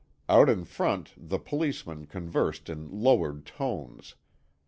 Out in front the Policemen conversed in lowered tones.